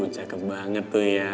cakep banget tuh ya